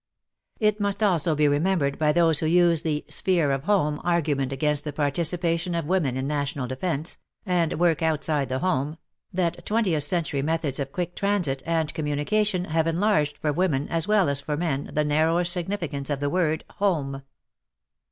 It must also be remembered, by those who use the "sphere of home" argument against the participation of women in national defence, and work outside the home, that twentieth century methods of quick transit and com munication have enlarged for women as well as for men the narrower significance of the word "Home."